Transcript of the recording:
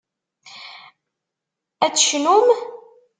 Ad tecnum?